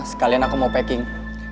sekalian aku mau packing